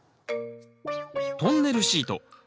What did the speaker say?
トンネルシート。